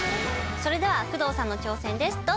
それでは工藤さんの挑戦です。